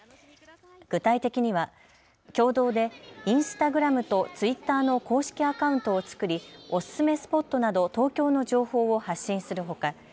具体的には共同でインスタグラムとツイッターの公式アカウントを作り、おすすめスポットなど東京の情報を発信するほか